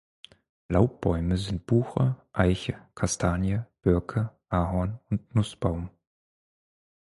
Laubbäume sind Buche, Eiche, Kastanie, Birke, Ahorn und Nussbaum.